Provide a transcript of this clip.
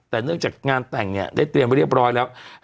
แต่เนื่องจากงานแต่งเนี่ยได้เตรียมไว้เรียบร้อยแล้ว